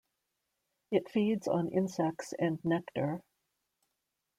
It feeds on insects and nectar.